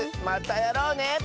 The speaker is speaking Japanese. またやろうね！